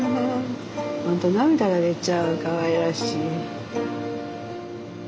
本当涙が出ちゃうかわいらしい。